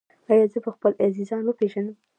ایا زه به خپل عزیزان وپیژنم؟